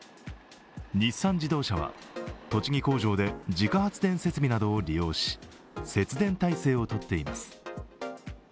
日産自動車は栃木工場で自家発電設備などを利用し節電体制をとっています。